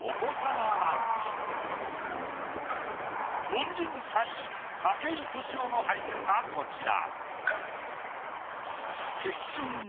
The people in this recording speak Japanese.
凡人３位筧利夫の俳句がこちら。